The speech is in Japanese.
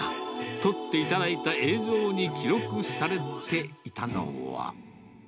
撮っていただいた映像に記録されていたのは。